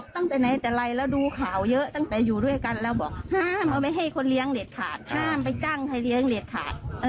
ตั้งแต่ไหนแต่ไรแล้วดูข่าวเยอะตั้งแต่อยู่ด้วยกันแล้วบอกห้ามเอาไว้ให้คนเลี้ยงเด็ดขาดห้ามไปจ้างใครเลี้ยงเด็ดขาด